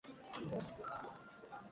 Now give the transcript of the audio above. Elytral declivity is less steep.